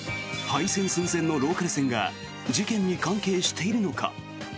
廃線寸前のローカル線が事件に関係しているのか？